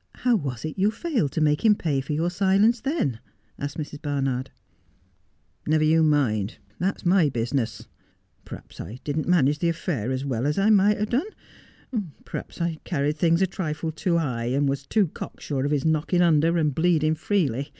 ' How was it you failed to make him pay for your silence, then ?' asked Mrs. Barnard. ' Never you mind. That's my business. Perhaps I didn't manage the affair as well as I might have done ; perhaps I carried things a trifle too high, and was too cocksure of his knock ing under and bleeding freely.